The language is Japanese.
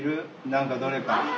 何かどれか。